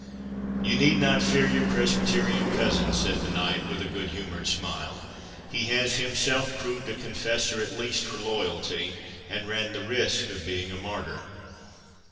"You need not fear your Presbyterian cousin," said the knight, with a good humoured smile, "he has himself proved a confessor at least for loyalty, and ran the risk of being a martyr."